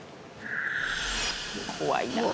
「怖いな」